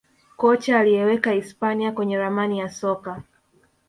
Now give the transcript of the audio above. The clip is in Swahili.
Kocha aliyeiweka hispania kwenye ramani ya soka